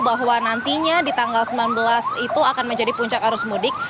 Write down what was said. bahwa nantinya di tanggal sembilan belas itu akan menjadi puncak arus mudik